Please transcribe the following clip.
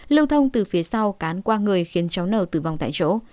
lưu thông từ phía sau cán qua người khiến cháu n tử vong tại chỗ